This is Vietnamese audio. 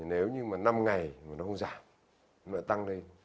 nếu như mà năm ngày mà nó không giảm nó sẽ tăng lên